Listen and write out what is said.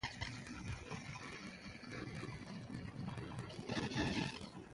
All Inspectors were retitled to Highway Patrol Officers.